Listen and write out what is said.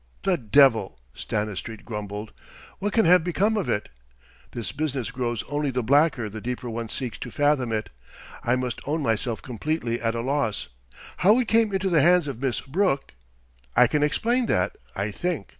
"The devil!" Stanistreet grumbled. "What can have become of it? This business grows only the blacker the deeper one seeks to fathom it. I must own myself completely at a loss. How it came into the hands of Miss Brooke " "I can explain that, I think.